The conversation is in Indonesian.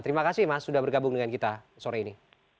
terima kasih mas sudah bergabung dengan kita sore ini